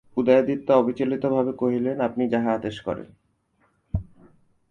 উদয়াদিত্য অবিচলিত ভাবে কহিলেন, আপনি যাহা আদেশ করেন।